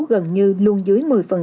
gần như luôn dưới một mươi